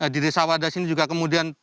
di desa wadas ini juga kemudian